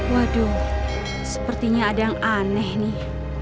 waduh sepertinya ada yang aneh nih